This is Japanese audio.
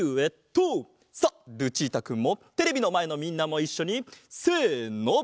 さあルチータくんもテレビのまえのみんなもいっしょにせの！